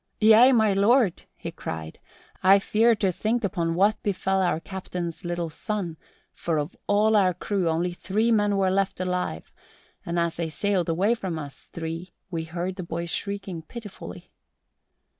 "Yea, my lord," he cried, "and I fear to think upon what befell our captain's little son, for of all our crew only three men were left alive and as they sailed away from us three we heard the boy shrieking pitifully."